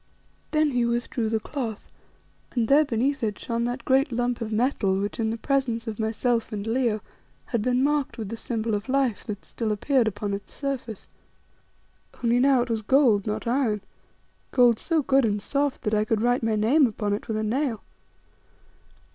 Then he withdrew the cloth, and there beneath it shone that great lump of metal which, in the presence of myself and Leo, had been marked with the Symbol of Life, that still appeared upon its surface. Only now it was gold, not iron, gold so good and soft that I could write my name upon it with a nail.